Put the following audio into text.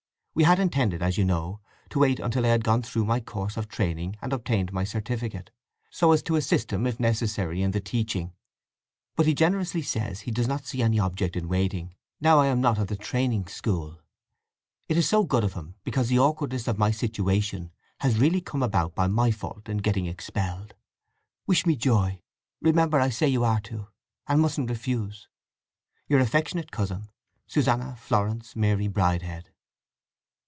We had intended, as you know, to wait till I had gone through my course of training and obtained my certificate, so as to assist him, if necessary, in the teaching. But he generously says he does not see any object in waiting, now I am not at the training school. It is so good of him, because the awkwardness of my situation has really come about by my fault in getting expelled. Wish me joy. Remember I say you are to, and you mustn't refuse!—Your affectionate cousin, SUSANNA FLORENCE MARY BRIDEHEAD.